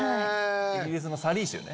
イギリスのサリー州ね。